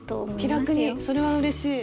それはうれしい。